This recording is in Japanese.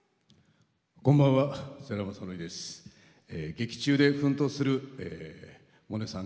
劇中で奮闘する萌音さん